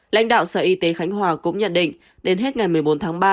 lãnh đạo sở y tế khánh hòa cũng nhận định đến hết ngày một mươi bốn tháng ba